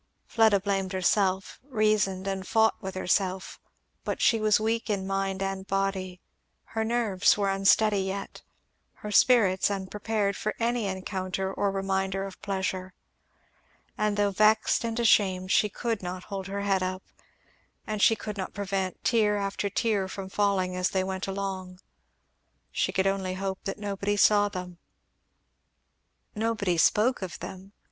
Fleda blamed herself, reasoned and fought with herself; but she was weak in mind and body, her nerves were unsteady yet, her spirits unprepared for any encounter or reminder of pleasure; and though vexed and ashamed she could not hold her head up, and she could not prevent tear after tear from falling as they went along; she could only hope that nobody saw them. Nobody spoke of them.